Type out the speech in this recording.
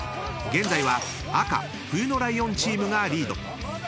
［現在は赤冬のライオンチームがリード］